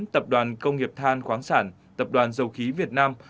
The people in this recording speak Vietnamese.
tập đoàn công nghiệp than khoáng sản tập đoàn dầu khí việt nam